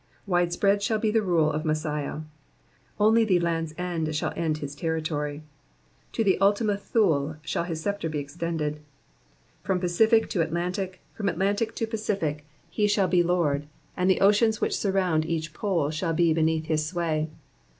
Wide spread siiall be the rule of Messiah ; only the Land's End shall end his territory : to the Ultima Thule shall his sceptre be extended. From Pacidc to Atlantic, and from At lantic to Pacific, he shall be Lord, and the oceans which surround each pole shall be beneath his sway.